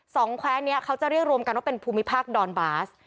แคว้นี้เขาจะเรียกรวมกันว่าเป็นภูมิภาคดอนบาส